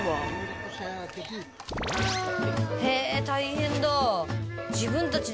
へぇ大変だ。